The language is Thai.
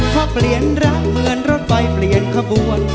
พอเปลี่ยนรักเหมือนรถไฟเปลี่ยนขบวน